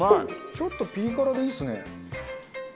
ちょっとピリ辛でいいですね。